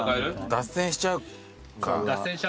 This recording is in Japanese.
脱線しちゃうか。